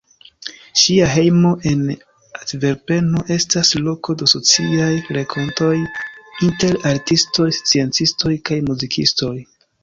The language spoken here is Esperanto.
Ŝia hejmo en Antverpeno estas loko de sociaj renkontoj inter artistoj, sciencistoj kaj muzikistoj.